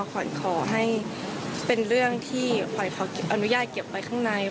ขวัญขอให้เป็นเรื่องที่ขวัญเขาอนุญาตเก็บไว้ข้างใน